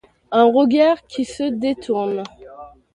Un regard qui se détourne.